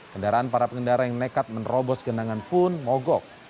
kendaraan para pengendara yang nekat menerobos genangan pun mogok